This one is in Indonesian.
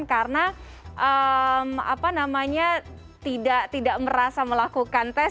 karena tidak merasa melakukan tes